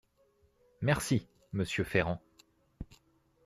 Merci, monsieur Ferrand.